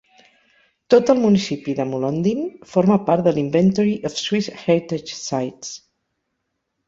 Tot el municipi de Molondin forma part de l"Inventory of Swiss Heritage Sites.